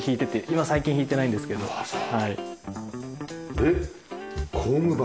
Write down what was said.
で工具箱。